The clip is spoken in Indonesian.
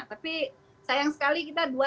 tapi sayang sekali kita